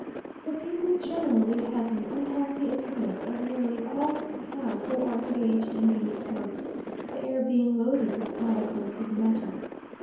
The people generally have an unhealthy appearance, as nearly all have who are engaged in these works the air being loaded with particles of metal.